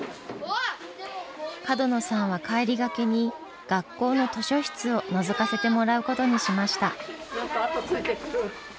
角野さんは帰りがけに学校の図書室をのぞかせてもらうことにしました。